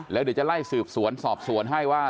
แล้วเดี๋ยวจะไล่สืบสวนสอบสวนให้ว่า